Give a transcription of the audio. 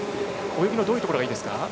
泳ぎのどういうところがいいですか？